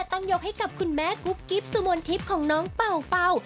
ต้องยกให้กับคุณแม่กุ๊บกิ๊บสุมนทิพย์ของน้องเป่า